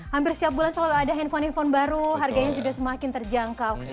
hampir setiap bulan selalu ada handphone handphone baru harganya juga semakin terjangkau